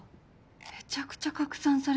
めちゃくちゃ拡散されてる。